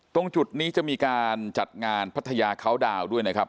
ตรงจุดนี้จะมีการจัดงานพัทยาเขาดาวด้วยนะครับ